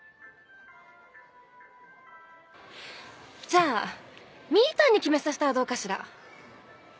じゃあみぃたんに決めさせたらどうかしら？